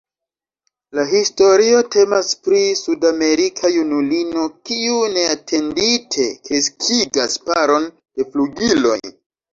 La historio temas pri sudamerika junulino kiu neatendite kreskigas paron de flugiloj.